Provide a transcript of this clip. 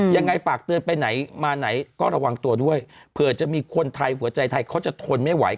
ยังไงฝากเตือนไปไหนมาไหนก็ระวังตัวด้วยเผื่อจะมีคนไทยหัวใจไทยเขาจะทนไม่ไหว